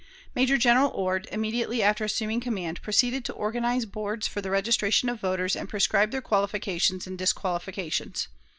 Major General Ord, immediately after assuming command, proceeded to organize boards for the registration of voters and prescribe their qualifications and disqualifications.